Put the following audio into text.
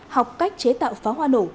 học cách chế tạo pháo hoa nổ